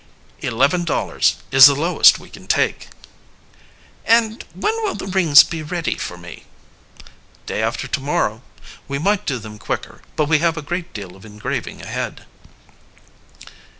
"Eleven dollars is the lowest we can take." "And when will the rings be ready for me?" "Day after tomorrow. We might do them quicker, but we have a great deal of engraving ahead."